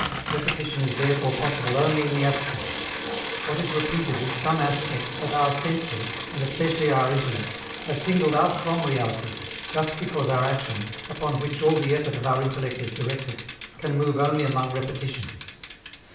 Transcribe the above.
Repetition is therefore possible only in the abstract: what is repeated is some aspect that our senses, and especially our intellect, have singled out from reality, just because our action, upon which all the effort of our intellect is directed, can move only among repetitions.